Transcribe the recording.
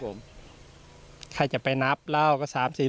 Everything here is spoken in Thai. แหละใครจะไปนับเล่าก็๓๖ลูกขึ้นไป